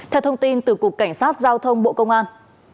theo thông tin từ cục cảnh sát giao thông bộ công an